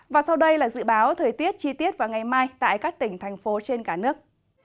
và sau đây là dự báo thời tiết chi tiết vào ngày mai tại các tỉnh thành phố trên cả nước